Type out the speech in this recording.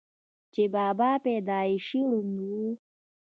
چې بابا پېدائشي ړوند وو،